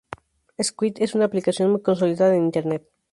Squid es una aplicación muy consolidada en Internet.